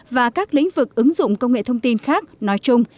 và các lĩnh vực ứng dụng công nghệ thông tin khác nói chung